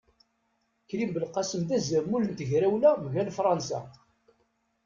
Krim Belqasem d azamul n tegrawla mgal Fransa.